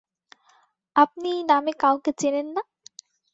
আপনি এই নামে কাউকে চেনেন না?